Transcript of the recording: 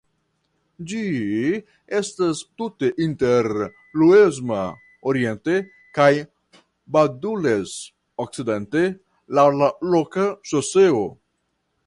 Ĝi estas tute inter Luesma oriente kaj Badules okcidente laŭ la loka ŝoseo.